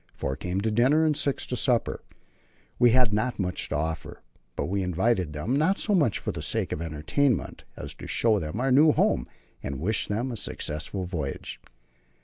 Four came to dinner and six to supper. We had not much to offer, but we invited them, not so much for the sake of the entertainment as to show them our new home and wish them a successful voyage.